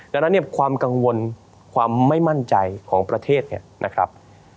ดังนั้นเนี่ยความกังวลความไม่มั่นใจของประเทศเนี่ยนะครับ